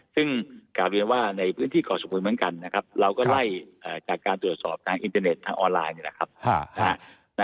ซึ่งการเรียนว่าในพื้นที่ขอสมมุติเหมือนกันเราก็ไล่จากการตรวจสอบทางอินเทอร์เน็ตทางออนไลน์